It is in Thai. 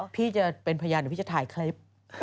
พี่จะเป็นพยานหรือพี่จะถ่ายคลิป